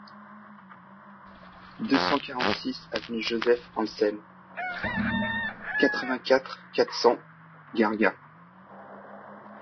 deux cent quarante-six avenue Joseph Anselme, quatre-vingt-quatre, quatre cents, Gargas